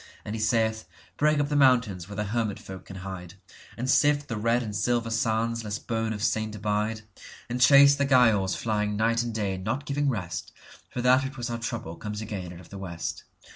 And he saith, "Break up the mountains where the hermit folk can hide, And sift the red and silver sands lest bone of saint abide, And chase the Giaours flying night and day, not giving rest, For that which was our trouble comes again out of the west.